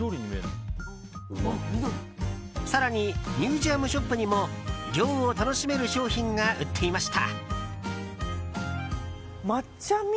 更にミュージアムショップにも涼を楽しめる商品が売っていました。